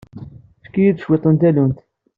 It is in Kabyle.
Efk-iyi-d kan cwiṭ n tallunt.